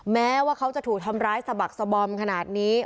แม้ว่าเขาจะถูกทำร้ายสะบักสบอมขนาดนี้